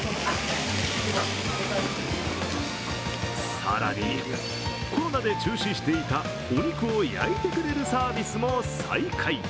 更に、コロナで中止していたお肉を焼いてくれるサービスも再開。